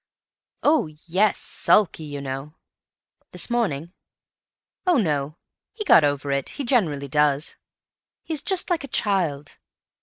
"Oh, yes—sulky, you know." "This morning?" "Oh, no. He got over it—he generally does. He's just like a child.